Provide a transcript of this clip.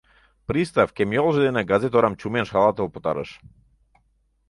Пристав кем йолжо дене газет орам чумен шалатыл пытарыш.